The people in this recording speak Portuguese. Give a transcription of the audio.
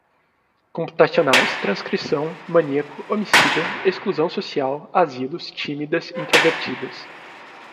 computacionais, transcrição, maníaco, homicida, exclusão social, asilos, tímidas, introvertidas